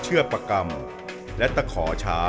เหมือนเล็บแบบงองเหมือนเล็บตลอดเวลา